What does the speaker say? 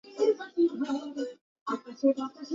কি খেয়ে টাল হইলি ভাই, বললে ধন্যবাদ পাবি।